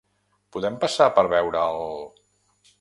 Podem passar per veure el...?